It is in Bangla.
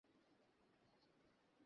তুমি বুঝবে না।